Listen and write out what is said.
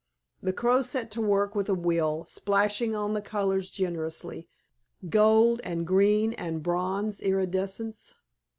The Crow set to work with a will, splashing on the colors generously, gold and green and bronze iridescence.